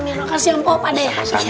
amin ya tuhan kasih ampun pak de